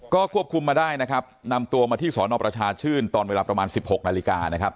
ก็ควบคุมมาได้นะครับนำตัวมาที่สอนอประชาชื่นตอนเวลาประมาณ๑๖นาฬิกานะครับ